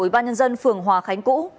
ủy ban nhân dân phường hòa khánh cũ